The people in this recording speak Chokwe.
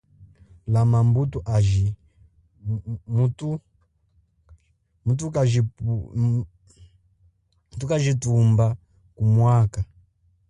Lama mbuto aji muthukajithumba ku mwaka.